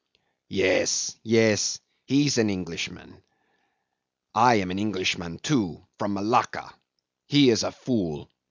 "Yes, yes, he's an Englishman. I am an Englishman too. From Malacca. He is a fool.